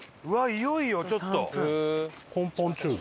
いよいよちょっと。